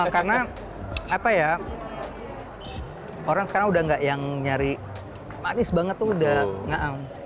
karena orang sekarang udah nggak yang nyari manis banget tuh udah